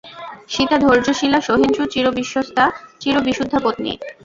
সীতা ধৈর্যশীলা, সহিষ্ণু, চির বিশ্বস্তা, চির বিশুদ্ধা পত্নী।